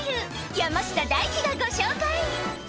山下大輝がご紹介